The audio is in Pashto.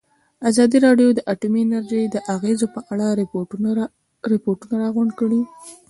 ازادي راډیو د اټومي انرژي د اغېزو په اړه ریپوټونه راغونډ کړي.